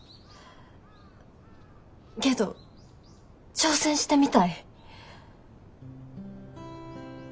けど挑戦してみたい。